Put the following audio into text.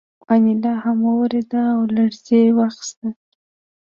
انیلا هم وورېده او لړزې واخیسته